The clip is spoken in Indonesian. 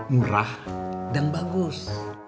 murah dan bagus